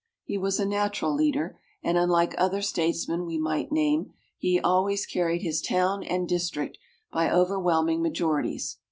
He was a natural leader, and unlike other statesmen we might name, he always carried his town and district by overwhelming majorities.